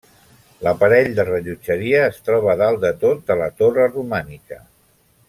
L'aparell de rellotgeria es troba dalt de tot de la torre romànica.